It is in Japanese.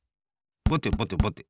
ぼてぼてぼて。